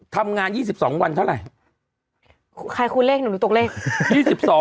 ทำงานยี่สิบสองวันเท่าไหร่ใครคูณเลขหนูหนูตัวเลขยี่สิบสอง